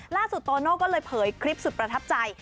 โตโน่ก็เลยเผยคลิปสุดประทับใจ